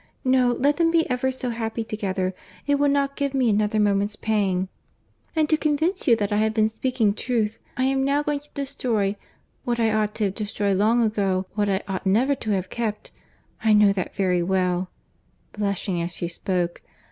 —No, let them be ever so happy together, it will not give me another moment's pang: and to convince you that I have been speaking truth, I am now going to destroy—what I ought to have destroyed long ago—what I ought never to have kept—I know that very well (blushing as she spoke).